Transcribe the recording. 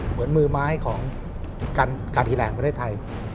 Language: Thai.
เหมือนมือไม้ของการที่แรงประเทศไทย